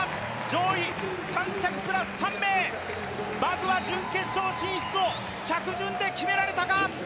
上位３着プラス３名、まずは準決勝進出を着順で決められたか。